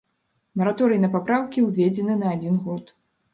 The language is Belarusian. Мараторый на папраўкі ўведзены на адзін год.